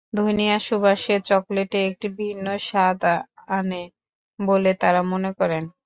ধনিয়ার সুবাস চকলেটে একটা ভিন্ন স্বাদ আনে বলে তাঁরা মনে করেন।